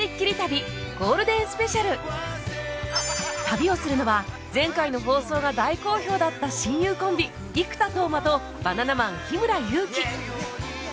旅をするのは前回の放送が大好評だった親友コンビ生田斗真とバナナマン日村勇紀